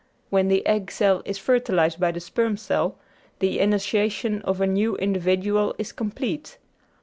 When the egg cell is fertilised by the sperm cell the initiation of a new individual is complete.